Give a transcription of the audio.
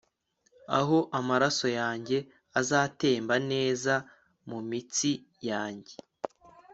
Aho amaraso yanjye azatemba neza mumitsi yanjye